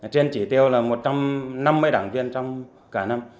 trên chỉ tiêu là một trăm năm mươi đảng viên trong cả năm